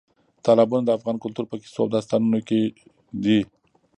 تالابونه د افغان کلتور په کیسو او داستانونو کې دي.